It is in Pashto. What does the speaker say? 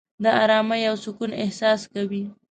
د آرامۍ او سکون احساس کوې.